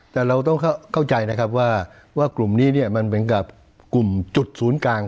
แต่เราต้องเข้าใจนะครับว่ากลุ่มนี้เนี่ยมันเหมือนกับกลุ่มจุดศูนย์กลาง